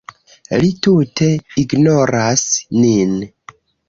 Li tute ignoras nin.